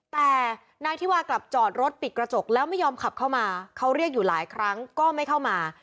แต่นายธิวากลับจอดรถปิดกระจกแล้วไม่ยอมขับเข้ามาเขาเรียกอยู่หลายครั้งก็ไม่เข้ามา